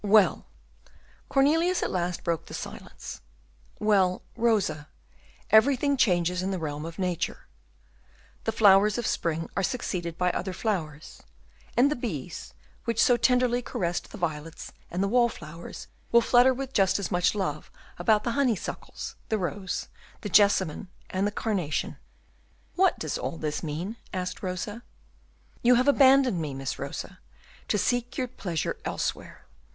"Well," Cornelius at last broke the silence, "well, Rosa, everything changes in the realm of nature; the flowers of spring are succeeded by other flowers; and the bees, which so tenderly caressed the violets and the wall flowers, will flutter with just as much love about the honey suckles, the rose, the jessamine, and the carnation." "What does all this mean?" asked Rosa. "You have abandoned me, Miss Rosa, to seek your pleasure elsewhere.